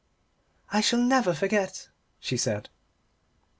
"I shall never forget," she said.